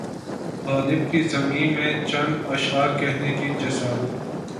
غالب کی زمین میں چند اشعار کہنے کی جسارت